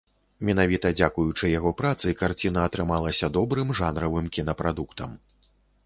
Менавіта дзякуючы яго працы, карціна атрымалася добрым жанравым кінапрадуктам.